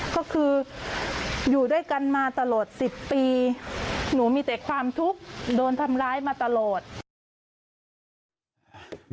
ก็คืออยู่ด้วยกันมาตลอด๑๐ปีหนูมีแต่ความทุกข์โดนทำร้ายมาตลอด